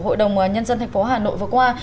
hội đồng nhân dân thành phố hà nội vừa qua